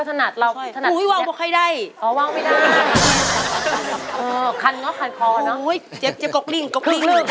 สวัสดีครับ